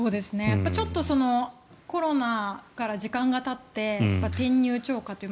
ちょっとコロナから時間がたって転入超過という